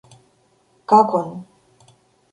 Как он?